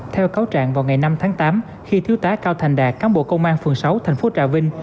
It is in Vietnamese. theo cáo trạng vào ngày năm tháng tám khi thiếu tá cao thành đạt cán bộ công an phường sáu thành phố trà vinh